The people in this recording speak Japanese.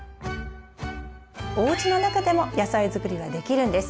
おうちの中でも野菜づくりはできるんです。